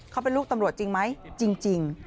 เขาเป็นลูกตำรวจจริงไหมจริง